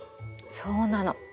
そうなの。